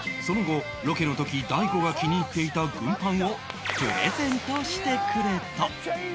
その後ロケの時大悟が気に入っていた軍パンをプレゼントしてくれた